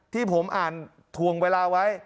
ที่ผมอ่านทวงเวลาไว้